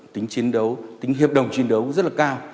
tính chiến đấu tính hiệp đồng chiến đấu rất là cao